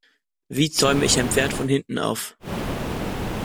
Wie zäume ich ein Pferd von hinten auf?